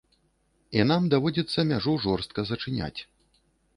І нам даводзіцца мяжу жорстка зачыняць.